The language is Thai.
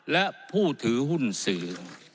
และผู้ถือหุ้นสื่อ